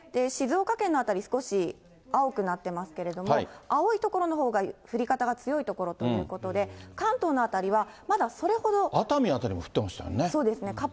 静岡県の辺り、少し青くなってますけれども、青い所のほうが降り方が強い所ということで、関東の辺りは、まだ熱海辺りも降ってましたよね。